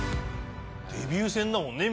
デビュー戦だもんね